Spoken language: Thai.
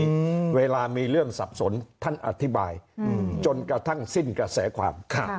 อืมเวลามีเรื่องสับสนท่านอธิบายอืมจนกระทั่งสิ้นกระแสความค่ะ